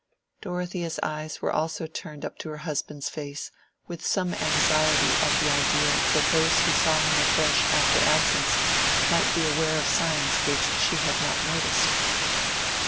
Dorothea's eyes also were turned up to her husband's face with some anxiety at the idea that those who saw him afresh after absence might be aware of signs which she had not noticed.